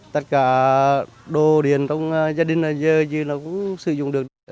tất cả đồ điền trong gia đình dưới dơi nó cũng sử dụng được nói chung đã ướt hết